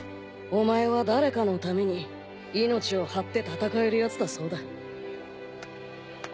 お前は誰かのために命を張って戦えるヤツだそうだ。